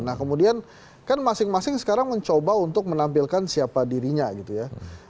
nah kemudian kan masing masing sekarang mencoba untuk menampilkan siapa dirinya gitu ya